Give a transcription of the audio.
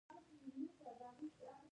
نور عسکر راغلل او د کتابخانې شاته یې وکتل